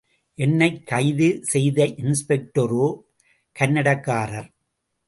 என்னைக் கைது செய்த இன்ஸ்பெக்டேரோ கன்னடக்காரர்.